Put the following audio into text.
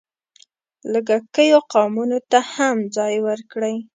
لږکیو قومونو ته هم ځای ورکړی.